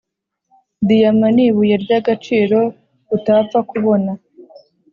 Diyama nibuye ryagaciro utapfa kubona